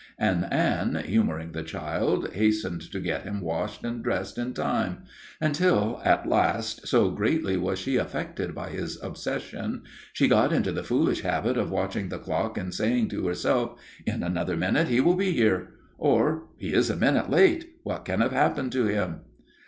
And Anne, humouring the child, hastened to get him washed and dressed in time; until at last, so greatly was she affected by his obsession, she got into the foolish habit of watching the clock and saying to herself: "In another minute he will be here," or: "He is a minute late. What can have happened to him?"